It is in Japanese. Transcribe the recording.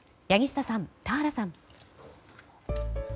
柳下さん、田原さん。